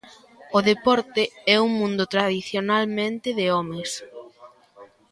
O deporte é un mundo tradicionalmente de homes.